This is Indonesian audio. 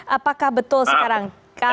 apakah betul sekarang